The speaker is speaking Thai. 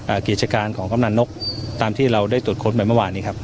เอ่อเกียรติการของกำนานนกตามที่เราได้ตรวจค้นแบบเมื่อวานนี้ครับ